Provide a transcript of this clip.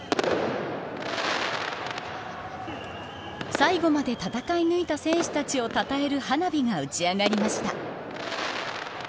最後まで戦い抜いた選手たちをたたえる花火が打ち上がりました。